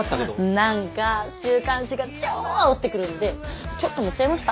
何か週刊誌が超あおってくるんでちょっと盛っちゃいました。